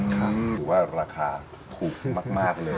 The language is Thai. ถือว่าราคาถูกมากเลย